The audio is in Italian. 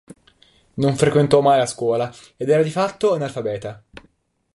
Non frequentò mai la scuola ed era di fatto analfabeta.